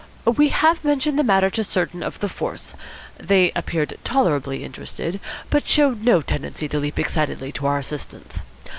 "We have mentioned the matter to certain of the force. They appeared tolerably interested, but showed no tendency to leap excitedly to our assistance.